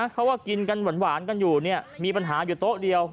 เขาก็กินกันหวานกันอยู่มีปัญหาอยู่โต๊ะเดียว